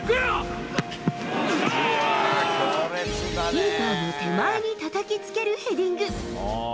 キーパーの手前にたたきつけるヘディング。